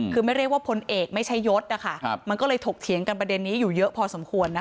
คือไม่เรียกว่าพลเอกไม่ใช่ยศมันก็เลยถกเถียงกันประเด็นนี้อยู่เยอะพอสมควรนะคะ